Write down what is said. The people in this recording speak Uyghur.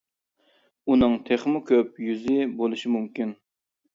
ئۇنىڭ تېخىمۇ كۆپ يۈزى بولۇشى مۇمكىن.